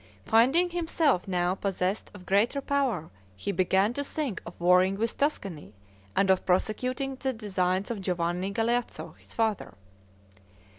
Finding himself now possessed of greater power, he began to think of warring with Tuscany and of prosecuting the designs of Giovanni Galeazzo, his father.